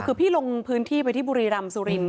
คือพี่ลงพื้นที่ไปที่บุรีรำสุรินท